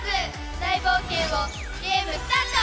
大冒険をゲームスタート！